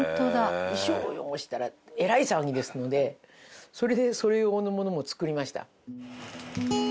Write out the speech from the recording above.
衣装を汚したらえらい騒ぎですのでそれでそれ用のものも作りました。